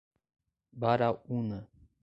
Baraúna